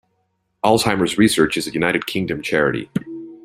Alzheimer's Research is a United Kingdom charity.